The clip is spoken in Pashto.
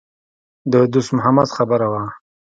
د دوست محمد خبره وه.